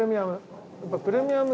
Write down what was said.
プレミアム。